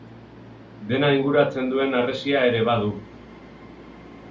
Dena inguratzen duen harresia ere badu.